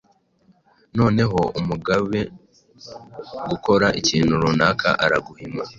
Noneho umuabe gukora ikintu runaka araguhima